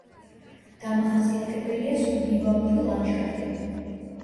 დამახასიათებელია სუბნივალური ლანდშაფტი.